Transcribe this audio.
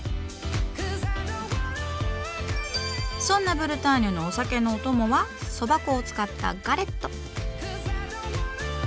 そんなブルターニュのお酒のオトモはそば粉を使った「ガレット」。